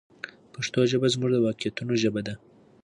پښتو ژبه زموږ د واقعیتونو ژبه ده.